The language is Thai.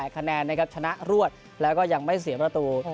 คะแนนนะครับชนะรวดแล้วก็ยังไม่เสียประตู